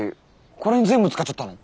これに全部使っちゃったの？